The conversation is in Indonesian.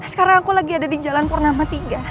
sekarang aku lagi ada di jalan purnama iii